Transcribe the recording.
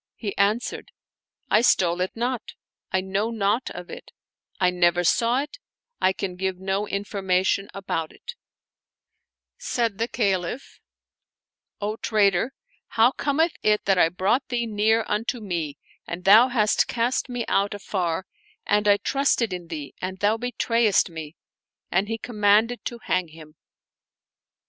" He answered, "I stole it not; I know naught of it; I never saw it ; I can give no information about it 1 " Said the Caliph, " O traitor, how cometh it that I brought thee near unto me and thou hast cast me out afar, and I trusted in thee and thou betrayest me?" And he commanded to hang him.